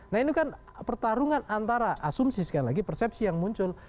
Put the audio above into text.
nah ini kan pertarungan antara asumsi sekali lagi persepsi yang muncul